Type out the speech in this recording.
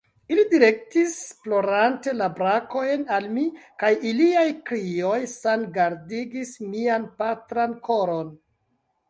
Ili direktis plorante la brakojn al mi, kaj iliaj krioj sangadigis mian patran koron.